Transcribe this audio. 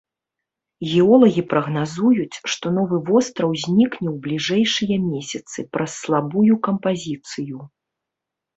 Геолагі прагназуюць, што новы востраў знікне ў бліжэйшыя месяцы праз слабую кампазіцыю.